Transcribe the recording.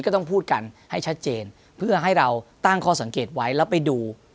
ก็ต้องพูดกันให้ชัดเจนเพื่อให้เราตั้งข้อสังเกตไว้แล้วไปดู